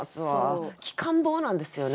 きかん坊なんですよね。